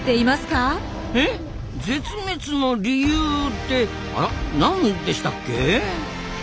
え絶滅の理由ってあら何でしたっけ？